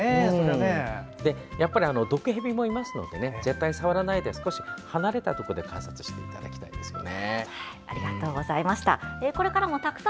やっぱり毒ヘビもいますので絶対に触らないで少し離れたところで観察していただきたいですよね。